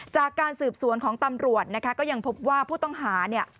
จากการสืบสวนของตำรวจก็ยังพบว่าผู้ต้องหา